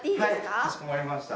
はいかしこまりました。